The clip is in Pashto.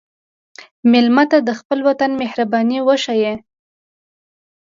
مېلمه ته د خپل وطن مهرباني وښیه.